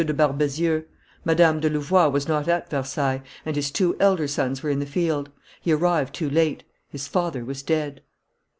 de Barbezieux; Madame do Louvois was not at Versailles, and his two elder sons were in the field; he arrived too late; his father was dead.